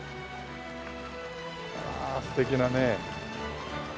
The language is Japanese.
ああ素敵だね。